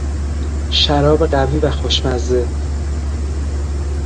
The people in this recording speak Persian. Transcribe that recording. شراب قوی و خوشمزه